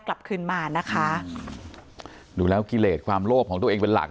กลับขึ้นมานะคะดูแล้วกิเลสความโลภของตัวเองเป็นหลัก